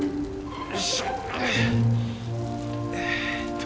よいしょ。